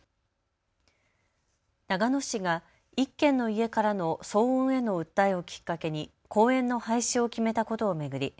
長野市が１軒の家からの騒音への訴えをきっかけに公園の廃止を決めたことを巡り